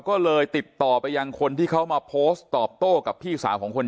ก็เลยติดต่อไปยังคนที่เขามาโพสต์ตอบโต้กับพี่สาวของคน